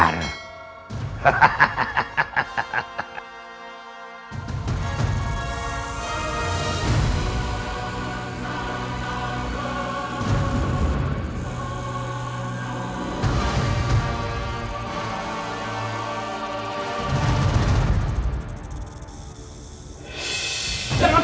ini bener pak